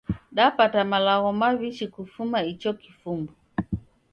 Dapata malagho maw'ishi kufuma icho kifumbu.